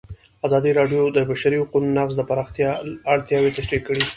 ازادي راډیو د د بشري حقونو نقض د پراختیا اړتیاوې تشریح کړي.